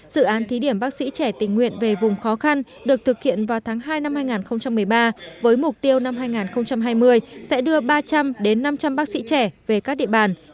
dự án thí điểm bác sĩ trẻ tình nguyện về vùng khó khăn được thực hiện vào tháng hai năm hai nghìn một mươi ba với mục tiêu năm hai nghìn hai mươi sẽ đưa ba trăm linh năm trăm linh bác sĩ trẻ về các địa bàn